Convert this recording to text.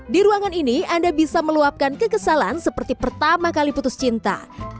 di ruangan ini anda bisa meluapkan kekesalan seperti pertama kali putus cinta